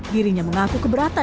dirinya mengaku keberatan